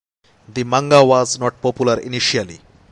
The manga was not popular initially.